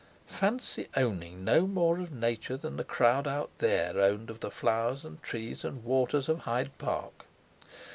Fancy owning no more of Nature than the crowd out there owned of the flowers and trees and waters of Hyde Park!